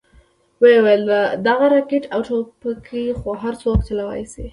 ويې ويل دغه راکټ او ټوپکې خو هرسوک چلوې شي.